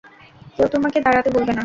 কেউ তোমাকে দাঁড়াতে বলবে না।